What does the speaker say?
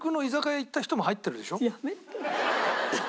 やめてよ。